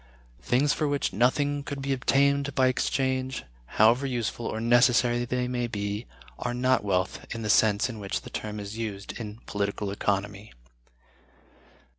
Things for which nothing could be obtained in exchange, however useful or necessary they may be, are not wealth in the sense in which the term is used in Political Economy.